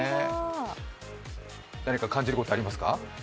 何か感じること、ありますか？